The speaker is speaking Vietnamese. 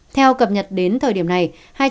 theo cập nhật đến thời điểm này